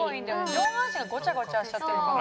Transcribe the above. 上半身がごちゃごちゃしちゃってるから。